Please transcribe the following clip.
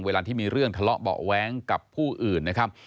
เวลาที่มีเรื่องทะเลาะเบาะแว้งกับผู้อื่นนะครับ